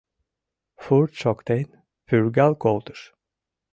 Фурт шоктен, пӱргал колтыш.